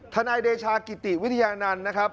ธนายเดชากิติวิทยานันต์